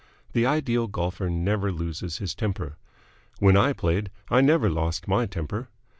The ideal golfer never loses his temper. When I played, I never lost my temper.